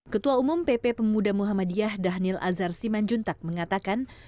ketua umum pp pemuda muhammadiyah dhanil azhar simanjuntak mengatakan